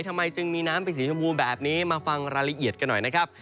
ทำไมจึงมีน้ำเป็นสีชมพูแบบนี้มาฟังรายละเอียดกันหน่อยนะครับ